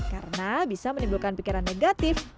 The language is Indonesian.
karena bisa menimbulkan pikiran negatif